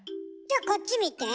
じゃこっち見て。